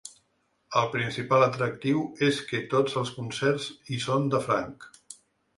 El principal atractiu és que tots els concerts hi són de franc.